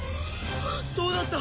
そうだった！